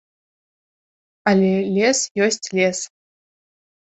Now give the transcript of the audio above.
Але лес ёсць лес.